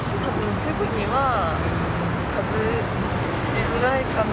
すぐには外しづらいかな。